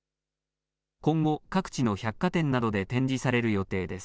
今後、各地の百貨店などで展示される予定です。